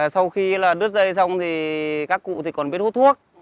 sau khi đứt dây xong thì các cụ thì còn biết hút thuốc